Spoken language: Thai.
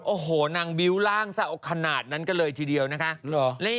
โอ้โหนางบิ้วร่างเศร้าขนาดนั้นกันเลยทีเดียวนะคะ